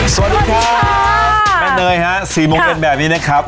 สวัสดีค่ะแม่เนยฮะสี่โมงเอ็ดแบบนี้นะครับ